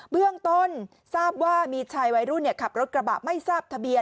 เบื้องต้นทราบว่ามีชายวัยรุ่นขับรถกระบะไม่ทราบทะเบียน